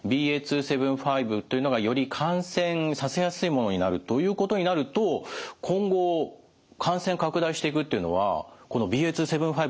ＢＡ．２．７５というのがより感染させやすいものになるということになると今後感染拡大していくっていうのはこのＢＡ．２．７５になっていく。